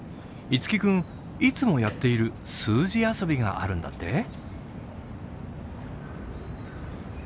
樹君いつもやっている数字遊びがあるんだって？